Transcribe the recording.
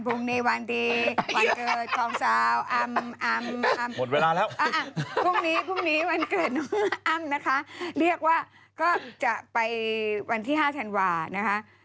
พรุ่งนี้วันเกิดน้องอ้ำนะคะเรียกว่าก็จะไปวันที่๕ธันวาธิ์นะคะ